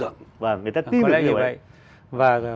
và người ta tin được điều ấy